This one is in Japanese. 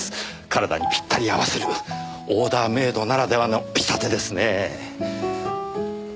体にピッタリ合わせるオーダーメードならではの仕立てですねえ。